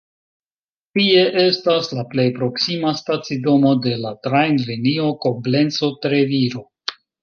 Tie estas la plej proksima stacidomo de la trajnlinio Koblenco-Treviro.